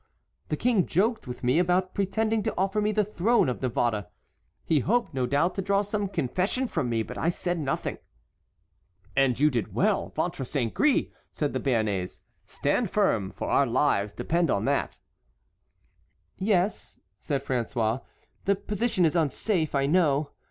The King joked with me by pretending to offer me the throne of Navarre. He hoped, no doubt, to draw some confession from me, but I said nothing." "And you did well, ventre saint gris!" said the Béarnais. "Stand firm, for our lives depend on that." "Yes," said François, "the position is unsafe, I know.